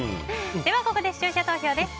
ここで視聴者投票です。